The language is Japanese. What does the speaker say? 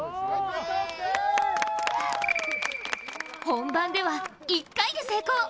本番では、１回で成功。